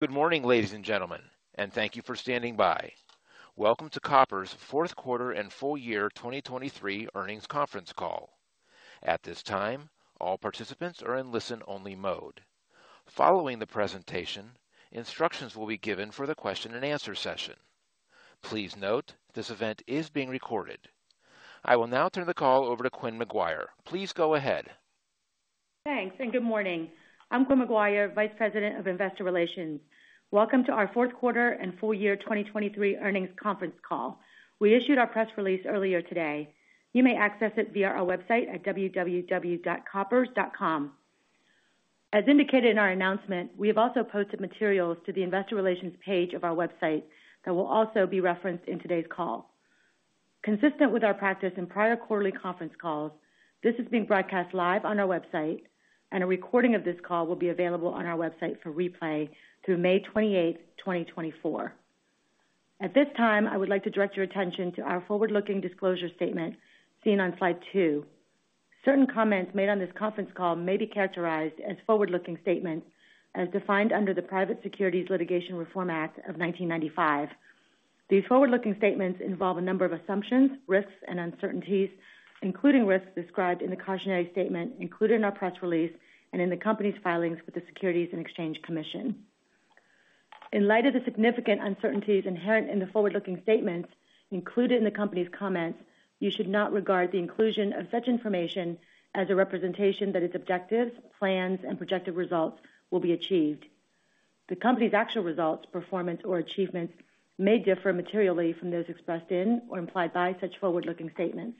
Good morning, ladies and gentlemen, and thank you for standing by. Welcome to Koppers' fourth quarter and full year 2023 earnings conference call. At this time, all participants are in listen-only mode. Following the presentation, instructions will be given for the question-and-answer session. Please note, this event is being recorded. I will now turn the call over to Quynh McGuire. Please go ahead. Thanks, and good morning. I'm Quynh McGuire, Vice President of Investor Relations. Welcome to our fourth quarter and full year 2023 earnings conference call. We issued our press release earlier today. You may access it via our website at www.koppers.com. As indicated in our announcement, we have also posted materials to the investor relations page of our website that will also be referenced in today's call. Consistent with our practice in prior quarterly conference calls, this is being broadcast live on our website, and a recording of this call will be available on our website for replay through May 28, 2024. At this time, I would like to direct your attention to our forward-looking disclosure statement seen on slide 2. Certain comments made on this conference call may be characterized as forward-looking statements as defined under the Private Securities Litigation Reform Act of 1995. These forward-looking statements involve a number of assumptions, risks, and uncertainties, including risks described in the cautionary statement included in our press release and in the company's filings with the Securities and Exchange Commission. In light of the significant uncertainties inherent in the forward-looking statements included in the company's comments, you should not regard the inclusion of such information as a representation that its objectives, plans, and projected results will be achieved. The company's actual results, performance, or achievements may differ materially from those expressed in or implied by such forward-looking statements.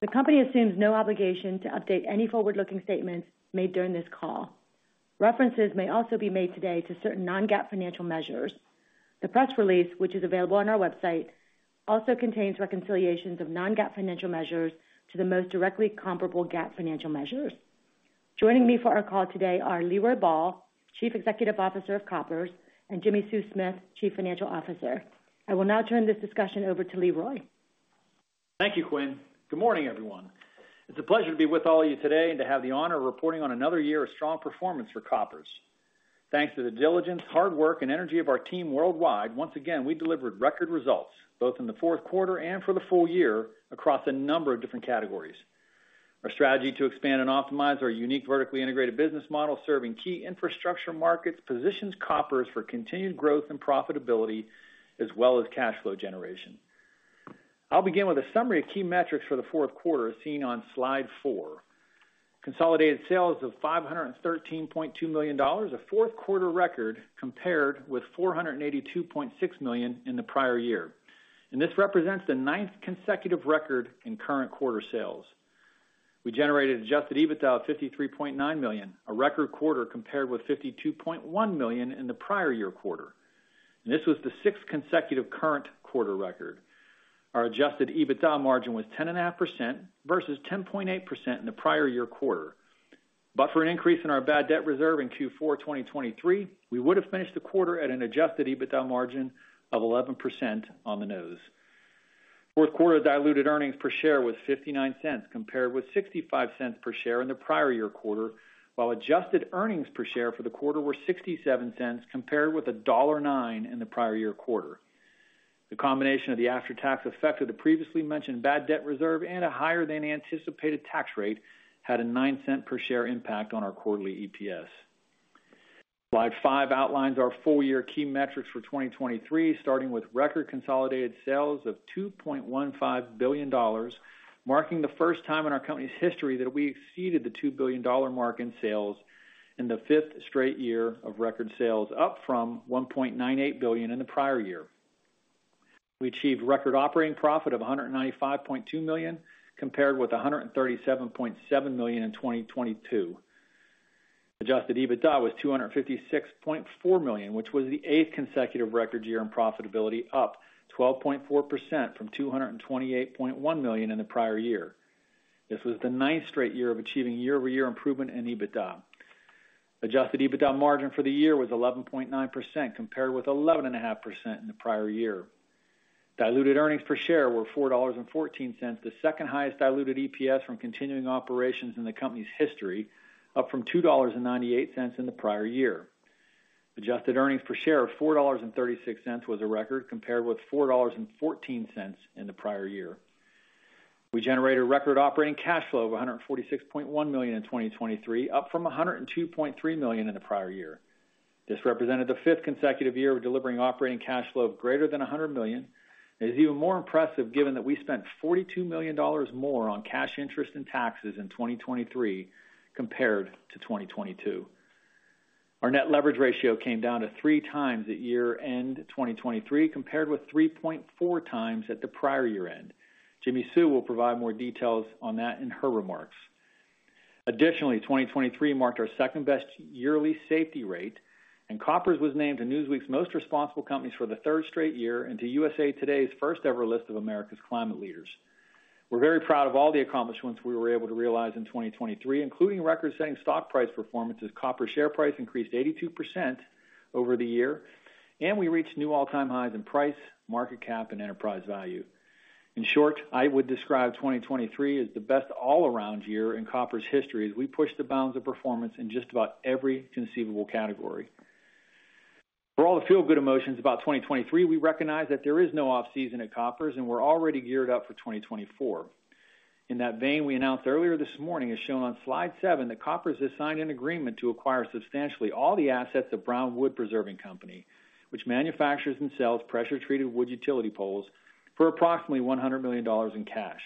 The company assumes no obligation to update any forward-looking statements made during this call. References may also be made today to certain non-GAAP financial measures. The press release, which is available on our website, also contains reconciliations of non-GAAP financial measures to the most directly comparable GAAP financial measures. Joining me for our call today are Leroy Ball, Chief Executive Officer of Koppers, and Jimmi Sue Smith, Chief Financial Officer. I will now turn this discussion over to Leroy. Thank you, Quynh. Good morning, everyone. It's a pleasure to be with all of you today and to have the honor of reporting on another year of strong performance for Koppers. Thanks to the diligence, hard work, and energy of our team worldwide, once again, we delivered record results both in the fourth quarter and for the full year across a number of different categories. Our strategy to expand and optimize our unique vertically integrated business model, serving key infrastructure markets, positions Koppers for continued growth and profitability as well as cash flow generation. I'll begin with a summary of key metrics for the fourth quarter, seen on Slide 4. Consolidated sales of $513.2 million, a fourth quarter record, compared with $482.6 million in the prior year. And this represents the ninth consecutive record in current quarter sales. We generated adjusted EBITDA of $53.9 million, a record quarter compared with $52.1 million in the prior year quarter. This was the sixth consecutive current quarter record. Our adjusted EBITDA margin was 10.5% versus 10.8% in the prior year quarter. But for an increase in our bad debt reserve in Q4 2023, we would have finished the quarter at an adjusted EBITDA margin of 11% on the nose. Fourth quarter diluted earnings per share was $0.59, compared with $0.65 per share in the prior year quarter, while adjusted earnings per share for the quarter were $0.67, compared with $1.09 in the prior year quarter. The combination of the after-tax effect of the previously mentioned bad debt reserve and a higher than anticipated tax rate had a $0.09 per share impact on our quarterly EPS. Slide 5 outlines our full-year key metrics for 2023, starting with record consolidated sales of $2.15 billion, marking the first time in our company's history that we exceeded the 2 billion mark in sales in the fifth straight year of record sales, up from $1.98 billion in the prior year. We achieved record operating profit of $195.2 million, compared with $137.7 million in 2022. Adjusted EBITDA was $256.4 million, which was the eighth consecutive record year in profitability, up 12.4% from $228.1 million in the prior year. This was the ninth straight year of achieving year-over-year improvement in EBITDA. Adjusted EBITDA margin for the year was 11.9%, compared with 11.5% in the prior year. Diluted earnings per share were $4.14, the second highest diluted EPS from continuing operations in the company's history, up from $2.98 in the prior year. Adjusted earnings per share of $4.36 was a record, compared with $4.14 in the prior year. We generated a record operating cash flow of $146.1 million in 2023, up from $102.3 million in the prior year. This represented the fifth consecutive year of delivering operating cash flow of greater than $100 million. It is even more impressive, given that we spent $42 million more on cash interest and taxes in 2023 compared to 2022. Our net leverage ratio came down to 3x at year-end 2023, compared with 3.4x at the prior year end. Jimmi Sue will provide more details on that in her remarks. Additionally, 2023 marked our second-best yearly safety rate, and Koppers was named to Newsweek's Most Responsible Companies for the third straight year and to USA Today's first-ever list of America's Climate Leaders. We're very proud of all the accomplishments we were able to realize in 2023, including record-setting stock price performances. Koppers' share price increased 82% over the year, and we reached new all-time highs in price, market cap, and enterprise value.... In short, I would describe 2023 as the best all-around year in Koppers' history, as we pushed the bounds of performance in just about every conceivable category. For all the feel-good emotions about 2023, we recognize that there is no off-season at Koppers, and we're already geared up for 2024. In that vein, we announced earlier this morning, as shown on Slide 7, that Koppers has signed an agreement to acquire substantially all the assets of Brown Wood Preserving Company, which manufactures and sells pressure-treated wood utility poles for approximately $100 million in cash.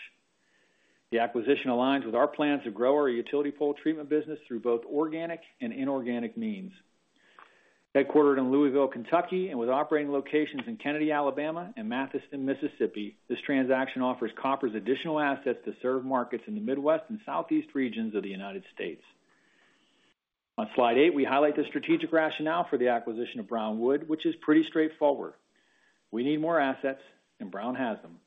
The acquisition aligns with our plans to grow our utility pole treatment business through both organic and inorganic means. Headquartered in Louisville, Kentucky, and with operating locations in Kennedy, Alabama, and Mathiston, Mississippi, this transaction offers Koppers additional assets to serve markets in the Midwest and Southeast regions of the United States. On Slide 8, we highlight the strategic rationale for the acquisition of Brown Wood, which is pretty straightforward. We need more assets, and Brown has them.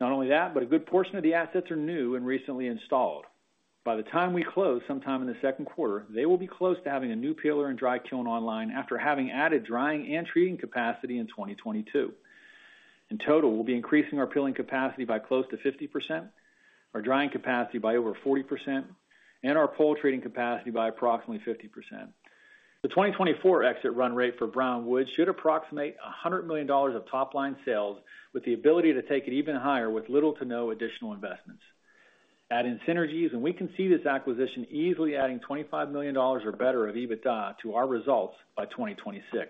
Not only that, but a good portion of the assets are new and recently installed. By the time we close, sometime in the second quarter, they will be close to having a new peeler and dry kiln online after having added drying and treating capacity in 2022. In total, we'll be increasing our peeling capacity by close to 50%, our drying capacity by over 40%, and our pole treating capacity by approximately 50%. The 2024 exit run rate for Brown Wood should approximate $100 million of top-line sales, with the ability to take it even higher with little to no additional investments. Add in synergies, and we can see this acquisition easily adding $25 million or better of EBITDA to our results by 2026.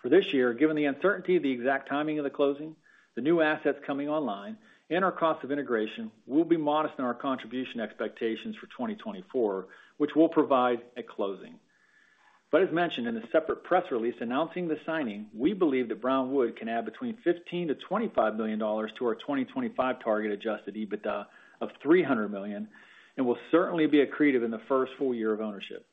For this year, given the uncertainty of the exact timing of the closing, the new assets coming online, and our cost of integration, we'll be modest in our contribution expectations for 2024, which we'll provide at closing. But as mentioned in a separate press release announcing the signing, we believe that Brown Wood can add between $15-$25 million to our 2025 target adjusted EBITDA of $300 million and will certainly be accretive in the first full year of ownership.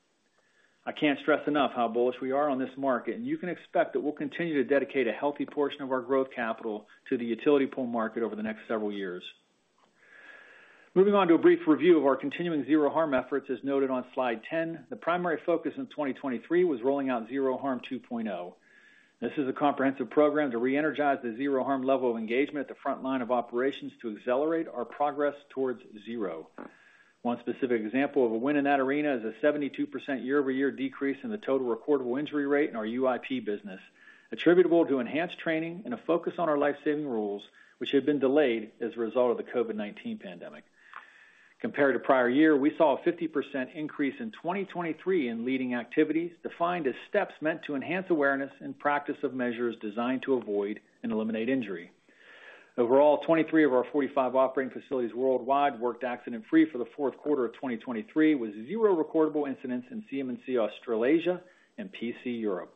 I can't stress enough how bullish we are on this market, and you can expect that we'll continue to dedicate a healthy portion of our growth capital to the utility pole market over the next several years. Moving on to a brief review of our continuing Zero Harm efforts, as noted on Slide 10. The primary focus in 2023 was rolling out Zero Harm 2.0. This is a comprehensive program to reenergize the Zero Harm level of engagement at the front line of operations to accelerate our progress towards zero. One specific example of a win in that arena is a 72% year-over-year decrease in the total recordable injury rate in our UIP business, attributable to enhanced training and a focus on our life-saving rules, which had been delayed as a result of the COVID-19 pandemic. Compared to prior year, we saw a 50% increase in 2023 in leading activities, defined as steps meant to enhance awareness and practice of measures designed to avoid and eliminate injury. Overall, 23 of our 45 operating facilities worldwide worked accident-free for the fourth quarter of 2023, with zero recordable incidents in CM&C Australasia and PC Europe.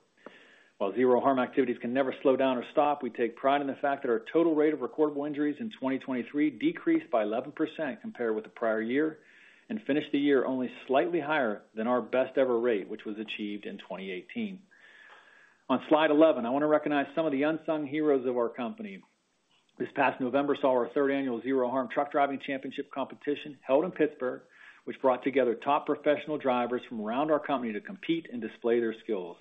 While Zero Harm activities can never slow down or stop, we take pride in the fact that our total rate of recordable injuries in 2023 decreased by 11% compared with the prior year and finished the year only slightly higher than our best-ever rate, which was achieved in 2018. On Slide 11, I want to recognize some of the unsung heroes of our company. This past November saw our third annual Zero Harm Truck Driving Championship competition held in Pittsburgh, which brought together top professional drivers from around our company to compete and display their skills.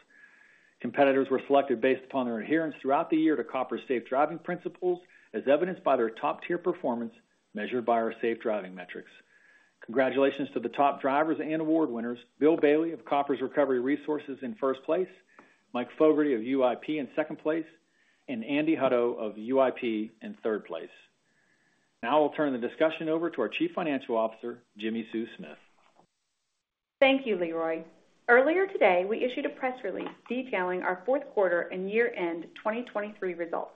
Competitors were selected based upon their adherence throughout the year to Koppers' safe driving principles, as evidenced by their top-tier performance measured by our safe driving metrics. Congratulations to the top drivers and award winners, Bill Bailey of Koppers Recovery Resources in first place, Mike Fogarty of UIP in second place, and Andy Hutto of UIP in third place. Now I'll turn the discussion over to our Chief Financial Officer, Jimmi Sue Smith. Thank you, Leroy. Earlier today, we issued a press release detailing our fourth quarter and year-end 2023 results.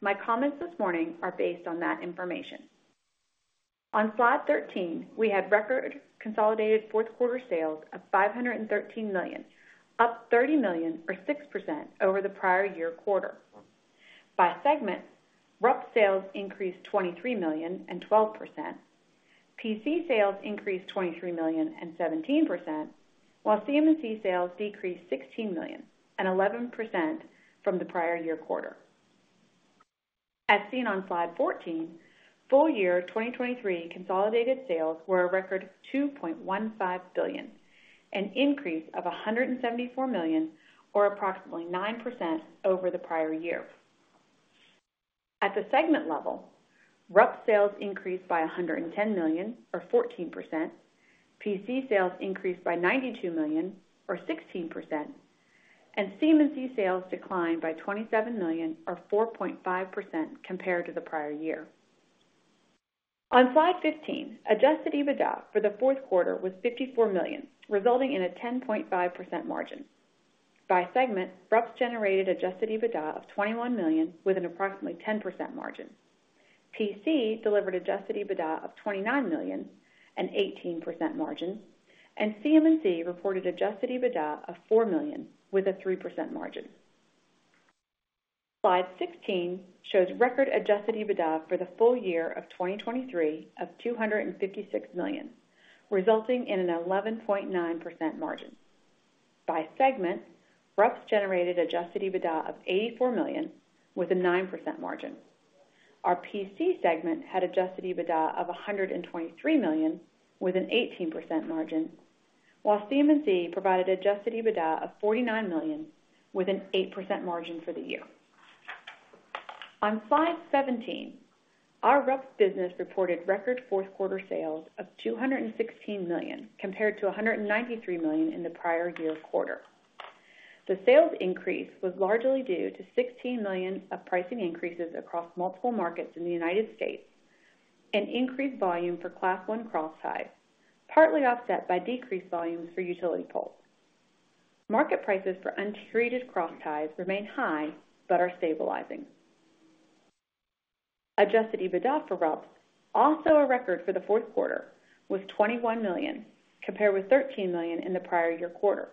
My comments this morning are based on that information. On Slide 13, we had record consolidated fourth quarter sales of $513 million, up $30 million or 6% over the prior year quarter. By segment, RUPS sales increased $23 million and 12%, PC sales increased $23 million and 17%, while CM&C sales decreased $16 million and 11% from the prior year quarter. As seen on Slide 14, full year 2023 consolidated sales were a record $2.15 billion, an increase of $174 million, or approximately 9% over the prior year. At the segment level, RUPS sales increased by $110 million, or 14%, PC sales increased by $92 million, or 16%, and CM&C sales declined by $27 million, or 4.5% compared to the prior year. On Slide 15, Adjusted EBITDA for the fourth quarter was $54 million, resulting in a 10.5% margin. By segment, RUPS generated Adjusted EBITDA of $21 million, with an approximately 10% margin. PC delivered Adjusted EBITDA of $29 million, an 18% margin, and CM&C reported Adjusted EBITDA of $4 million with a 3% margin. Slide 16 shows record Adjusted EBITDA for the full year of 2023 of $256 million, resulting in an 11.9% margin. By segment, RUPS generated Adjusted EBITDA of $84 million, with a 9% margin. Our PC segment had adjusted EBITDA of $123 million, with an 18% margin. While CM&C provided adjusted EBITDA of $49 million, with an 8% margin for the year. On slide 17, our RUPS business reported record fourth quarter sales of $216 million, compared to $193 million in the prior year quarter. The sales increase was largely due to $16 million of pricing increases across multiple markets in the United States, and increased volume for Class I crossties, partly offset by decreased volumes for utility poles. Market prices for untreated crossties remain high, but are stabilizing. Adjusted EBITDA for RUPS, also a record for the fourth quarter, was $21 million, compared with $13 million in the prior year quarter.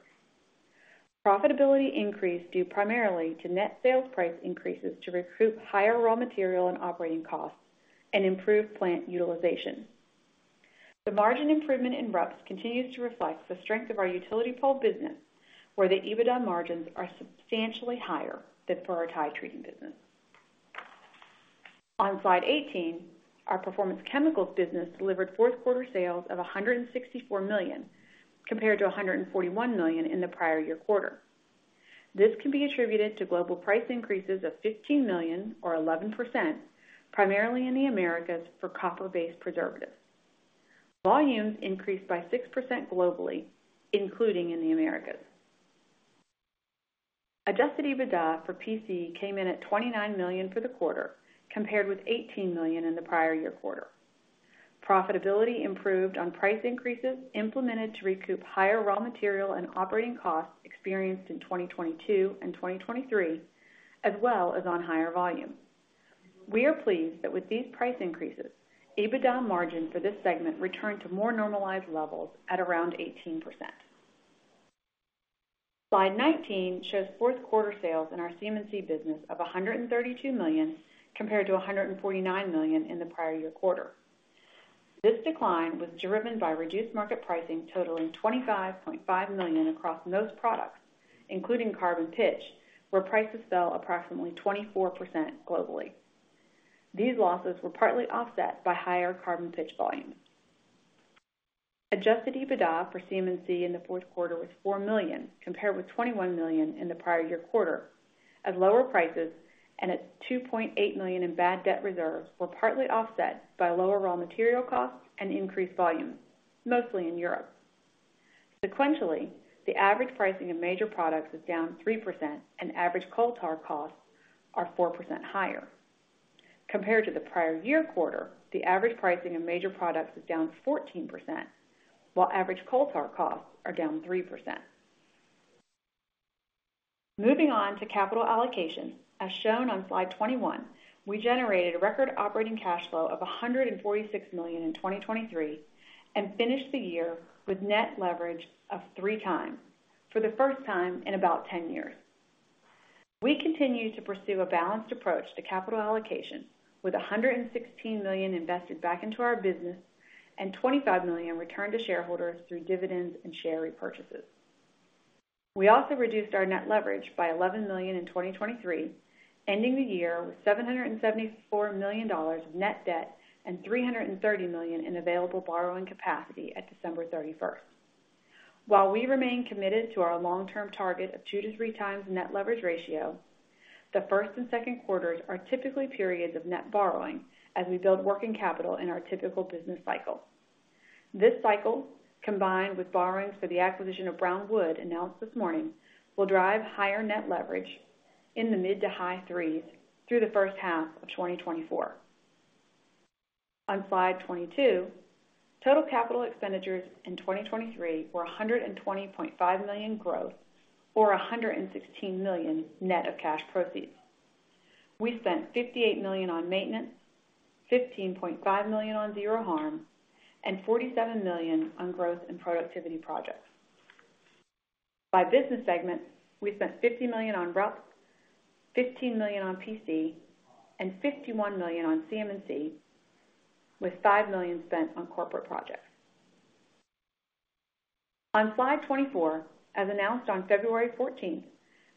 Profitability increased due primarily to net sales price increases to recoup higher raw material and operating costs and improved plant utilization. The margin improvement in RUPS continues to reflect the strength of our utility pole business, where the EBITDA margins are substantially higher than for our tie treating business. On slide 18, our Performance Chemicals business delivered fourth quarter sales of $164 million, compared to $141 million in the prior year quarter. This can be attributed to global price increases of $15 million or 11%, primarily in the Americas, for copper-based preservatives. Volumes increased by 6% globally, including in the Americas. Adjusted EBITDA for PC came in at $29 million for the quarter, compared with $18 million in the prior year quarter. Profitability improved on price increases implemented to recoup higher raw material and operating costs experienced in 2022 and 2023, as well as on higher volume. We are pleased that with these price increases, EBITDA margin for this segment returned to more normalized levels at around 18%. Slide 19 shows fourth quarter sales in our CM&C business of $132 million, compared to $149 million in the prior year quarter. This decline was driven by reduced market pricing totaling $25.5 million across most products, including carbon pitch, where prices fell approximately 24% globally. These losses were partly offset by higher carbon pitch volumes. Adjusted EBITDA for CM&C in the fourth quarter was $4 million, compared with $21 million in the prior year quarter, as lower prices and its $2.8 million in bad debt reserves were partly offset by lower raw material costs and increased volumes, mostly in Europe. Sequentially, the average pricing of major products is down 3% and average coal tar costs are 4% higher. Compared to the prior year quarter, the average pricing of major products is down 14%, while average coal tar costs are down 3%. Moving on to capital allocation. As shown on slide 21, we generated a record operating cash flow of $146 million in 2023, and finished the year with net leverage of 3 times, for the first time in about 10 years. We continue to pursue a balanced approach to capital allocation, with $116 million invested back into our business and $25 million returned to shareholders through dividends and share repurchases. We also reduced our net leverage by $11 million in 2023, ending the year with $774 million of net debt and $330 million in available borrowing capacity at December 31. While we remain committed to our long-term target of 2-3x net leverage ratio, the first and second quarters are typically periods of net borrowing as we build working capital in our typical business cycle. This cycle, combined with borrowings for the acquisition of Brown Wood, announced this morning, will drive higher net leverage in the mid- to high threes through the first half of 2024. On slide 22, total capital expenditures in 2023 were $120.5 million growth, or $116 million net of cash proceeds. We spent $58 million on maintenance, $15.5 million on Zero Harm, and $47 million on growth and productivity projects. By business segment, we spent $50 million on RUPS, $15 million on PC, and $51 million on CM&C, with $5 million spent on corporate projects. On slide 24, as announced on February fourteenth,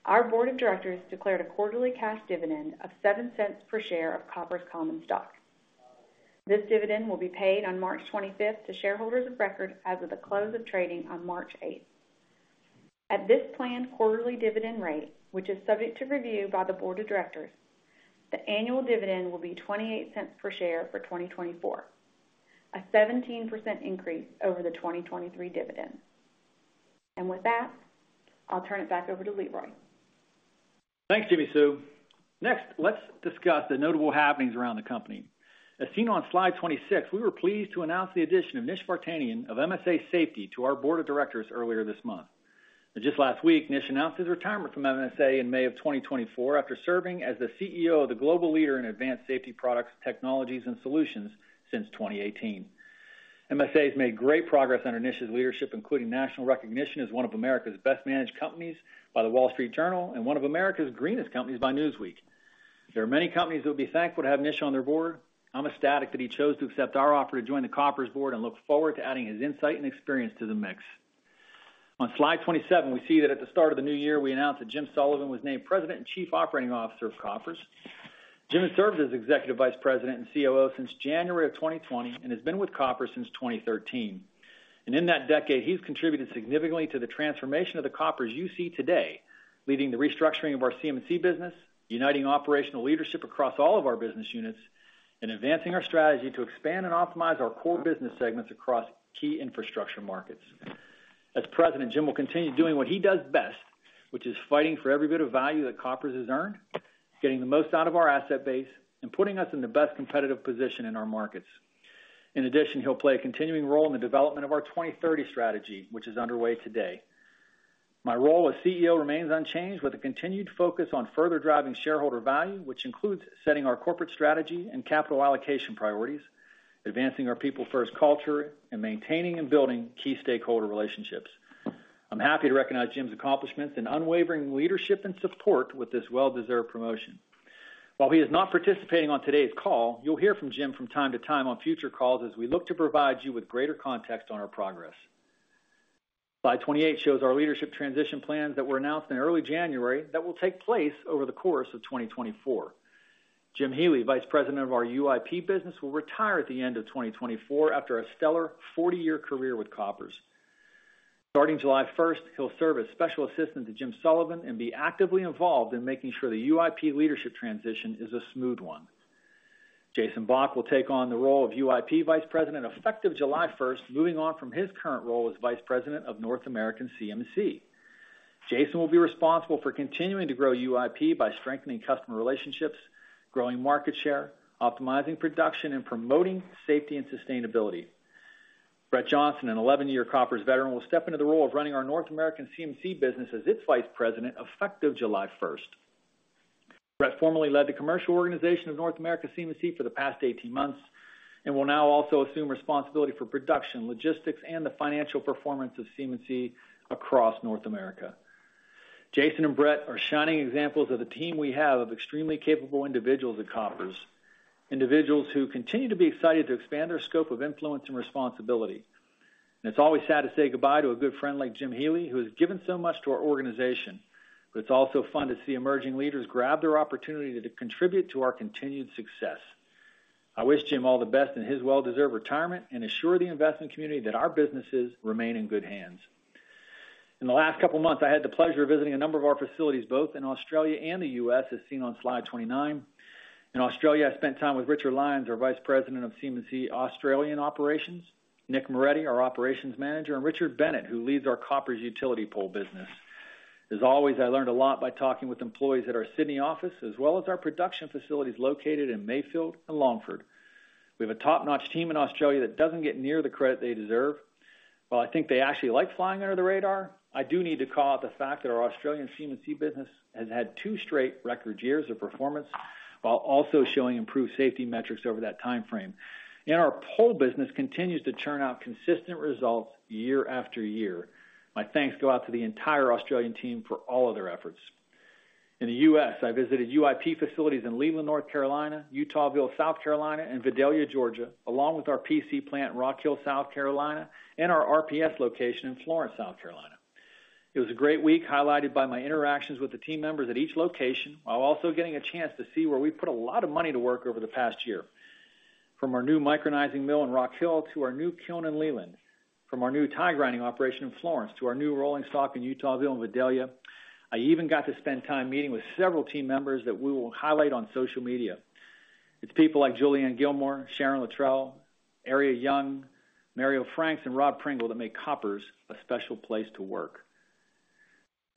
our board of directors declared a quarterly cash dividend of $0.07 per share of Koppers common stock. This dividend will be paid on March twenty-fifth to shareholders of record as of the close of trading on March eighth. At this planned quarterly dividend rate, which is subject to review by the board of directors, the annual dividend will be $0.28 per share for 2024, a 17% increase over the 2023 dividend. And with that, I'll turn it back over to Leroy. Thanks, Jimmi Sue. Next, let's discuss the notable happenings around the company. As seen on slide 26, we were pleased to announce the addition of Nish Vartanian of MSA Safety to our board of directors earlier this month. Just last week, Nish announced his retirement from MSA in May of 2024, after serving as the CEO of the global leader in advanced safety products, technologies, and solutions since 2018. MSA has made great progress under Nish's leadership, including national recognition as one of America's Best Managed Companies by The Wall Street Journal and one of America's Greenest Companies by Newsweek. There are many companies that would be thankful to have Nish on their board. I'm ecstatic that he chose to accept our offer to join the Koppers board and look forward to adding his insight and experience to the mix. On slide 27, we see that at the start of the new year, we announced that Jim Sullivan was named President and Chief Operating Officer of Koppers. Jim has served as Executive Vice President and COO since January of 2020, and has been with Koppers since 2013. In that decade, he's contributed significantly to the transformation of the Koppers you see today, leading the restructuring of our CM&C business, uniting operational leadership across all of our business units, and advancing our strategy to expand and optimize our core business segments across key infrastructure markets. As president, Jim will continue doing what he does best, which is fighting for every bit of value that Koppers has earned, getting the most out of our asset base, and putting us in the best competitive position in our markets. In addition, he'll play a continuing role in the development of our 2030 strategy, which is underway today. My role as CEO remains unchanged, with a continued focus on further driving shareholder value, which includes setting our corporate strategy and capital allocation priorities, advancing our people-first culture, and maintaining and building key stakeholder relationships. I'm happy to recognize Jim's accomplishments and unwavering leadership and support with this well-deserved promotion. While he is not participating on today's call, you'll hear from Jim from time to time on future calls as we look to provide you with greater context on our progress. Slide 28 shows our leadership transition plans that were announced in early January that will take place over the course of 2024. Jim Healy, Vice President of our UIP business, will retire at the end of 2024 after a stellar 40-year career with Koppers. Starting July 1st, he'll serve as Special Assistant to Jim Sullivan and be actively involved in making sure the UIP leadership transition is a smooth one. Jason Bach will take on the role of UIP Vice President, effective July 1st, moving on from his current role as Vice President of North American CM&C. Jason will be responsible for continuing to grow UIP by strengthening customer relationships, growing market share, optimizing production, and promoting safety and sustainability. Brett Johnson, an 11-year Koppers veteran, will step into the role of running our North American CM&C business as its Vice President, effective July 1st. Brett formerly led the commercial organization of North American CM&C for the past 18 months, and will now also assume responsibility for production, logistics, and the financial performance of CM&C across North America. Jason and Brett are shining examples of the team we have of extremely capable individuals at Koppers, individuals who continue to be excited to expand their scope of influence and responsibility. It's always sad to say goodbye to a good friend like Jim Healy, who has given so much to our organization, but it's also fun to see emerging leaders grab their opportunity to contribute to our continued success. I wish Jim all the best in his well-deserved retirement and assure the investment community that our businesses remain in good hands. In the last couple of months, I had the pleasure of visiting a number of our facilities, both in Australia and the U.S., as seen on slide 29. In Australia, I spent time with Richard Lyons, our Vice President of CM&C Australian Operations, Nick Moretti, our Operations Manager, and Richard Bennett, who leads our Koppers Utility Pole business. As always, I learned a lot by talking with employees at our Sydney office, as well as our production facilities located in Mayfield and Longford. We have a top-notch team in Australia that doesn't get near the credit they deserve. While I think they actually like flying under the radar, I do need to call out the fact that our Australian CMC business has had two straight record years of performance, while also showing improved safety metrics over that timeframe. Our pole business continues to churn out consistent results year after year. My thanks go out to the entire Australian team for all of their efforts. In the US, I visited UIP facilities in Leland, North Carolina, Eutaw, South Carolina, and Vidalia, Georgia, along with our PC plant in Rock Hill, South Carolina, and our RPS location in Florence, South Carolina. It was a great week, highlighted by my interactions with the team members at each location, while also getting a chance to see where we put a lot of money to work over the past year. From our new micronizing mill in Rock Hill to our new kiln in Leland, from our new tie grinding operation in Florence to our new rolling stock in Eutaw and Vidalia. I even got to spend time meeting with several team members that we will highlight on social media. It's people like Julianne Gilmore, Sharon Luttrell, Taria Young, Mario Franks, and Rob Pringle that make Koppers a special place to work.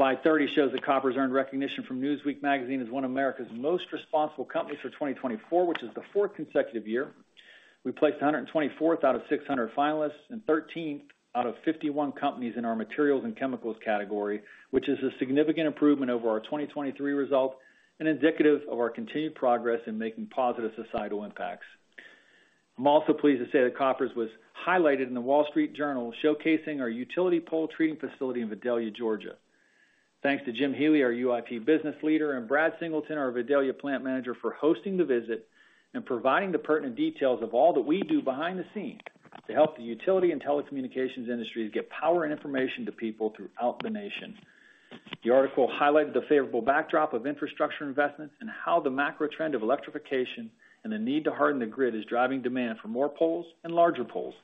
Slide 30 shows that Koppers earned recognition from Newsweek Magazine as one of America's most responsible companies for 2024, which is the fourth consecutive year. We placed 124th out of 600 finalists and 13th out of 51 companies in our materials and chemicals category, which is a significant improvement over our 2023 result and indicative of our continued progress in making positive societal impacts. I'm also pleased to say that Koppers was highlighted in The Wall Street Journal, showcasing our utility pole treating facility in Vidalia, Georgia. Thanks to Jim Healy, our UIP business leader, and Brad Singleton, our Vidalia plant manager, for hosting the visit and providing the pertinent details of all that we do behind the scenes to help the utility and telecommunications industry get power and information to people throughout the nation. The article highlighted the favorable backdrop of infrastructure investment and how the macro trend of electrification and the need to harden the grid is driving demand for more poles and larger poles.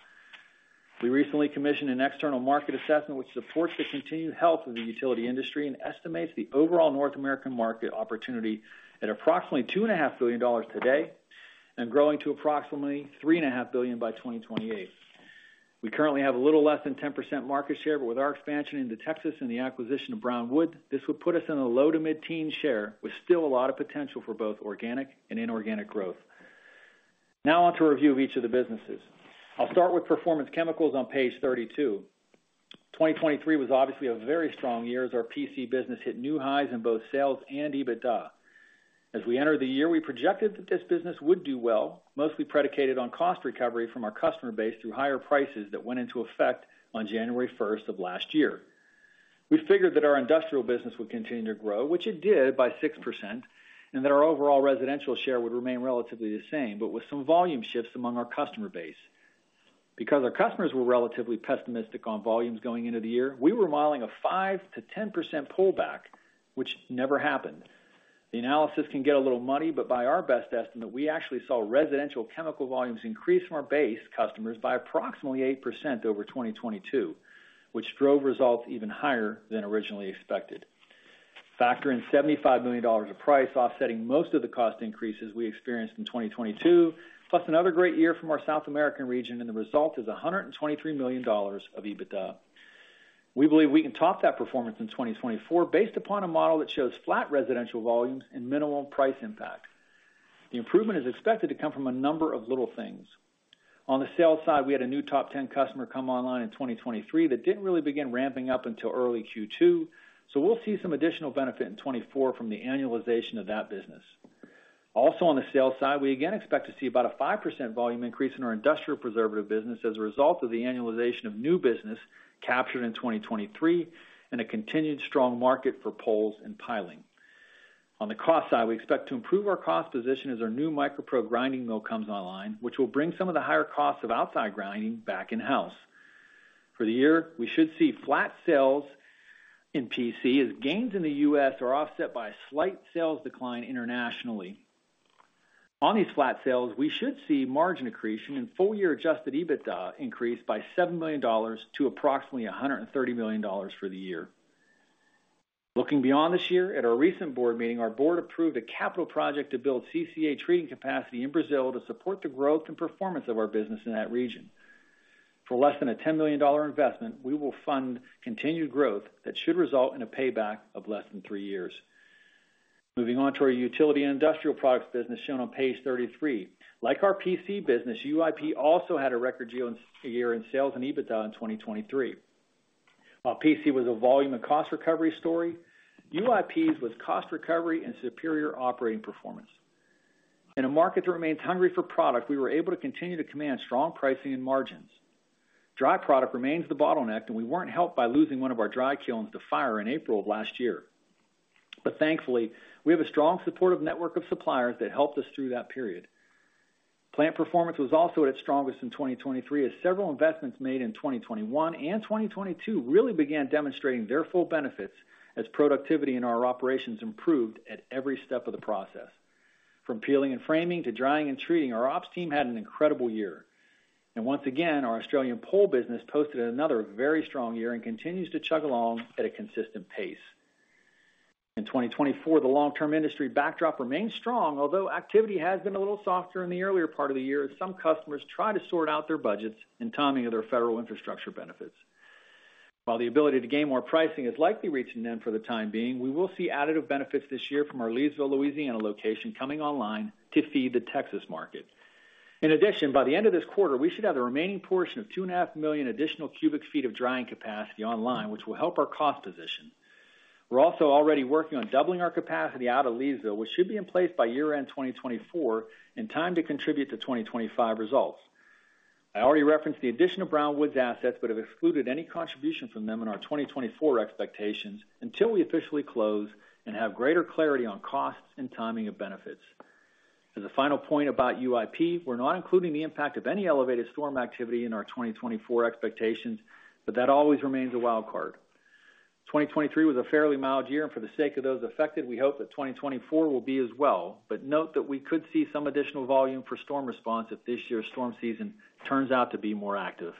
We recently commissioned an external market assessment, which supports the continued health of the utility industry and estimates the overall North American market opportunity at approximately $2.5 billion today and growing to approximately $3.5 billion by 2028. We currently have a little less than 10% market share, but with our expansion into Texas and the acquisition of Brown Wood, this would put us in a low to mid-teen share, with still a lot of potential for both organic and inorganic growth. Now on to a review of each of the businesses. I'll start with Performance Chemicals on page 32. 2023 was obviously a very strong year as our PC business hit new highs in both sales and EBITDA. As we entered the year, we projected that this business would do well, mostly predicated on cost recovery from our customer base through higher prices that went into effect on January 1st of last year. We figured that our industrial business would continue to grow, which it did, by 6%, and that our overall residential share would remain relatively the same, but with some volume shifts among our customer base. Because our customers were relatively pessimistic on volumes going into the year, we were modeling a 5%-10% pullback, which never happened. The analysis can get a little muddy, but by our best estimate, we actually saw residential chemical volumes increase from our base customers by approximately 8% over 2022, which drove results even higher than originally expected. Factor in $75 million of price, offsetting most of the cost increases we experienced in 2022, plus another great year from our South American region, and the result is $123 million of EBITDA. We believe we can top that performance in 2024 based upon a model that shows flat residential volumes and minimal price impact. The improvement is expected to come from a number of little things. On the sales side, we had a new top 10 customer come online in 2023 that didn't really begin ramping up until early Q2, so we'll see some additional benefit in 2024 from the annualization of that business. Also, on the sales side, we again expect to see about a 5% volume increase in our industrial preservative business as a result of the annualization of new business captured in 2023 and a continued strong market for poles and piling. On the cost side, we expect to improve our cost position as our new MicroPro grinding mill comes online, which will bring some of the higher costs of outside grinding back in-house. For the year, we should see flat sales in PC, as gains in the U.S. are offset by a slight sales decline internationally. On these flat sales, we should see margin accretion and full-year adjusted EBITDA increase by $7 million to approximately $130 million for the year. Looking beyond this year, at our recent board meeting, our board approved a capital project to build CCA treating capacity in Brazil to support the growth and performance of our business in that region. For less than a $10 million investment, we will fund continued growth that should result in a payback of less than three years. Moving on to our Utility and Industrial Products business, shown on page 33. Like our PC business, UIP also had a record year in sales and EBITDA in 2023. While PC was a volume and cost recovery story, UIP's was cost recovery and superior operating performance. In a market that remains hungry for product, we were able to continue to command strong pricing and margins. Dry product remains the bottleneck, and we weren't helped by losing one of our dry kilns to fire in April of last year. Thankfully, we have a strong, supportive network of suppliers that helped us through that period. Plant performance was also at its strongest in 2023, as several investments made in 2021 and 2022 really began demonstrating their full benefits as productivity in our operations improved at every step of the process. From peeling and framing to drying and treating, our ops team had an incredible year. Once again, our Australian pole business posted another very strong year and continues to chug along at a consistent pace. In 2024, the long-term industry backdrop remains strong, although activity has been a little softer in the earlier part of the year as some customers try to sort out their budgets and timing of their federal infrastructure benefits. While the ability to gain more pricing is likely reaching its end for the time being, we will see additive benefits this year from our Leesville, Louisiana, location coming online to feed the Texas market. In addition, by the end of this quarter, we should have the remaining portion of 2.5 million additional cubic feet of drying capacity online, which will help our cost position. We're also already working on doubling our capacity out of Leesville, which should be in place by year-end 2024, in time to contribute to 2025 results. I already referenced the addition of Brown Wood's assets, but have excluded any contribution from them in our 2024 expectations until we officially close and have greater clarity on costs and timing of benefits. As a final point about UIP, we're not including the impact of any elevated storm activity in our 2024 expectations, but that always remains a wild card. 2023 was a fairly mild year, and for the sake of those affected, we hope that 2024 will be as well. But note that we could see some additional volume for storm response if this year's storm season turns out to be more active.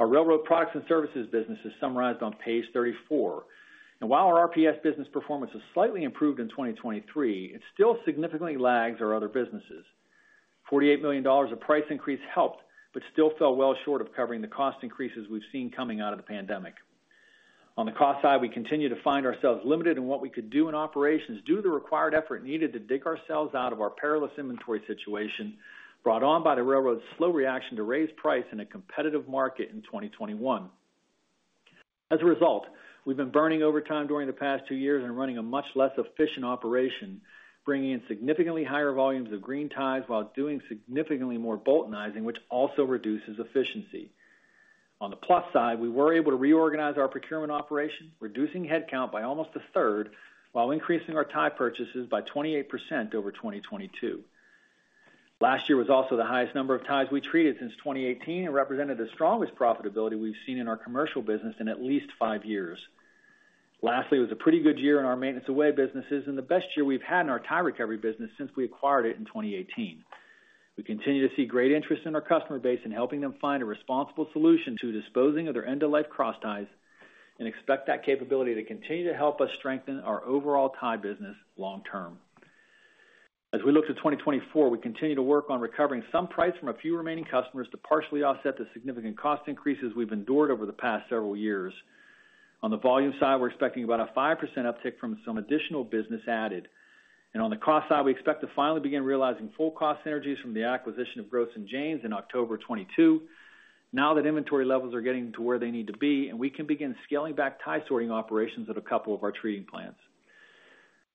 Our Railroad Products and Services business is summarized on page 34, and while our RPS business performance has slightly improved in 2023, it still significantly lags our other businesses. $48 million of price increase helped, but still fell well short of covering the cost increases we've seen coming out of the pandemic. On the cost side, we continue to find ourselves limited in what we could do in operations due to the required effort needed to dig ourselves out of our perilous inventory situation, brought on by the railroad's slow reaction to raise price in a competitive market in 2021. As a result, we've been burning overtime during the past two years and running a much less efficient operation, bringing in significantly higher volumes of green ties while doing significantly more Boultonizing, which also reduces efficiency. On the plus side, we were able to reorganize our procurement operation, reducing headcount by almost a third, while increasing our tie purchases by 28% over 2022. Last year was also the highest number of ties we treated since 2018 and represented the strongest profitability we've seen in our commercial business in at least five years. Lastly, it was a pretty good year in our maintenance away businesses and the best year we've had in our tie recovery business since we acquired it in 2018. We continue to see great interest in our customer base in helping them find a responsible solution to disposing of their end-of-life crossties, and expect that capability to continue to help us strengthen our overall tie business long term. As we look to 2024, we continue to work on recovering some price from a few remaining customers to partially offset the significant cost increases we've endured over the past several years. On the volume side, we're expecting about a 5% uptick from some additional business added. And on the cost side, we expect to finally begin realizing full cost synergies from the acquisition of Gross & Janes in October 2022. Now that inventory levels are getting to where they need to be, and we can begin scaling back tie sorting operations at a couple of our treating plants.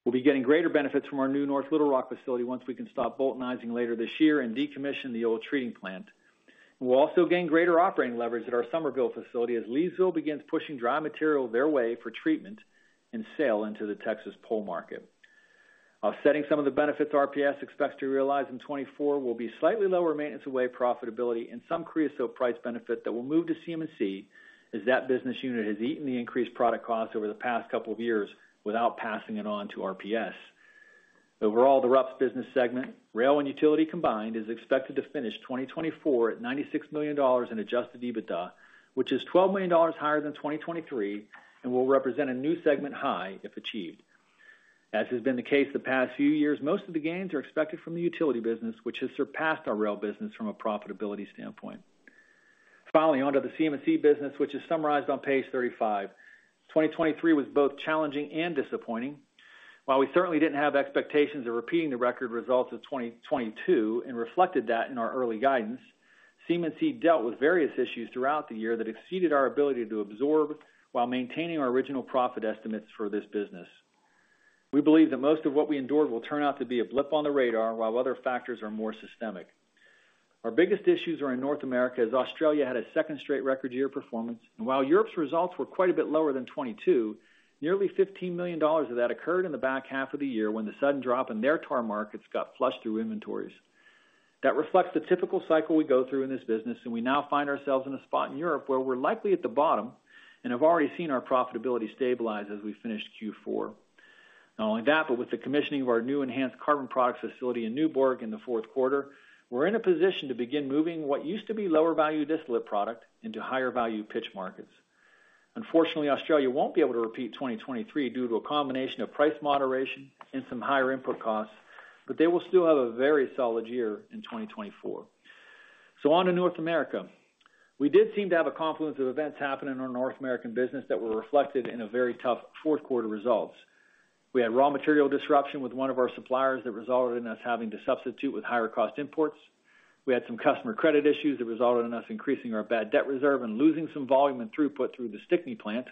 We'll be getting greater benefits from our new North Little Rock facility once we can stop Boultonizing later this year and decommission the old treating plant. We'll also gain greater operating leverage at our Summerville facility as Leesville begins pushing dry material their way for treatment and sale into the Texas pole market.... Offsetting some of the benefits RPS expects to realize in 2024 will be slightly lower maintenance away profitability and some creosote price benefit that will move to CM&C, as that business unit has eaten the increased product costs over the past couple of years without passing it on to RPS. Overall, the RUPS business segment, rail and utility combined, is expected to finish 2024 at $96 million in adjusted EBITDA, which is $12 million higher than 2023, and will represent a new segment high if achieved. As has been the case the past few years, most of the gains are expected from the utility business, which has surpassed our rail business from a profitability standpoint. Finally, onto the CM&C business, which is summarized on page 35. 2023 was both challenging and disappointing. While we certainly didn't have expectations of repeating the record results of 2022 and reflected that in our early guidance, CM&C dealt with various issues throughout the year that exceeded our ability to absorb while maintaining our original profit estimates for this business. We believe that most of what we endured will turn out to be a blip on the radar, while other factors are more systemic. Our biggest issues are in North America, as Australia had a second straight record year of performance, and while Europe's results were quite a bit lower than 2022, nearly $15 million of that occurred in the back half of the year when the sudden drop in their tar markets got flushed through inventories. That reflects the typical cycle we go through in this business, and we now find ourselves in a spot in Europe where we're likely at the bottom and have already seen our profitability stabilize as we finished Q4. Not only that, but with the commissioning of our new enhanced carbon products facility in Nyborg in the fourth quarter, we're in a position to begin moving what used to be lower value distillate product into higher value pitch markets. Unfortunately, Australia won't be able to repeat 2023 due to a combination of price moderation and some higher input costs, but they will still have a very solid year in 2024. So on to North America. We did seem to have a confluence of events happening in our North American business that were reflected in a very tough fourth quarter results. We had raw material disruption with one of our suppliers that resulted in us having to substitute with higher cost imports. We had some customer credit issues that resulted in us increasing our bad debt reserve and losing some volume and throughput through the Stickney plant.